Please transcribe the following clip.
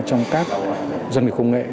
trong các doanh nghiệp công nghệ